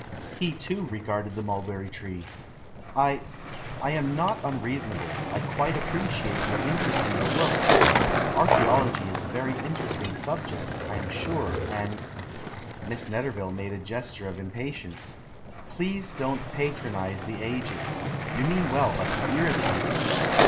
He, too, regarded the mulberry tree. "I — I am not unreasonable, I quite appreciate your interest in your work — archaeology is a very interesting subject, I am sure, and " Miss Netterville made a gesture of impatience. "Please don't patronise the Ages! You mean well, but it's irritating."